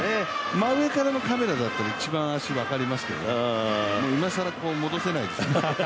真上からのカメラなら一番足、分かりますけど今更、戻せないよね。